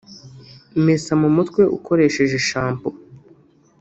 Mesa mu mutwe ukoresheje shampoo